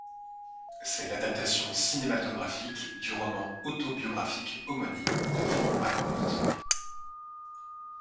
C'est l'adaptation cinématographique du roman autobiographique homonyme de Frank McCourt.